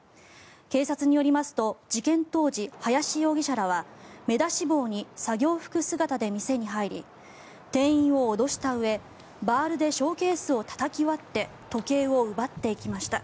警察によりますと事件当時、林容疑者らは目出し帽に作業服姿で店に入り店員を脅したうえ、バールでショーケースをたたき割って時計を奪っていきました。